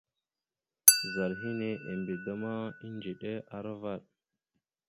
Zal nehe embe da ma, edziɗe aravaɗ.